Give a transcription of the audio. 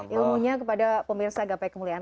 ilmunya kepada pemirsa gapai kemuliaan